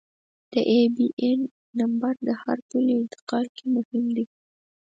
د آیبياېن نمبر هر پولي انتقال کې مهم دی.